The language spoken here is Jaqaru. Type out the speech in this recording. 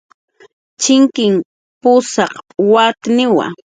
Chinkin pusaq watniwa